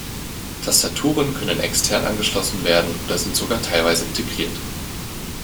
Tastaturen können extern angeschlossen werden oder sind teilweise sogar integriert.